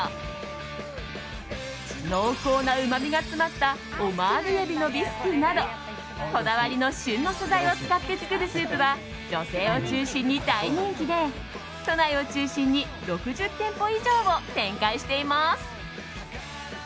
濃厚なうまみが詰まったオマール海老のビスクなどこだわりの旬の素材を使って作るスープは女性を中心に大人気で都内を中心に６０店舗以上を展開しています。